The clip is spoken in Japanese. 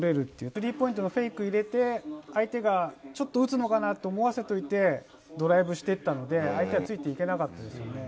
スリーポイントのフェイク入れて相手がちょっと打つのかな？と思わせといて、ドライブしていったので、相手はついていけなかったですよね。